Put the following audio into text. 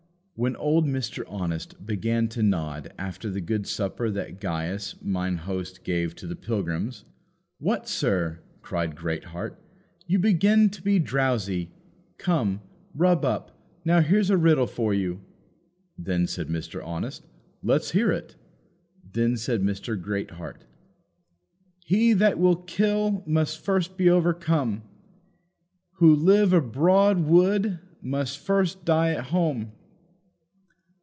When old Mr. Honest began to nod after the good supper that Gaius mine host gave to the pilgrims, "What, sir," cried Greatheart, "you begin to be drowsy; come, rub up; now here's a riddle for you." Then said Mr. Honest, "Let's hear it." Then said Mr. Greatheart, "He that will kill, must first be overcome; Who live abroad would, first must die at home."